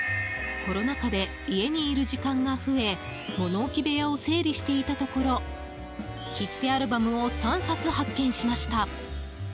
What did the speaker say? コロナ禍で家にいる時間が増え物置部屋を整理していたところ切手アルバムを３冊、発見しました。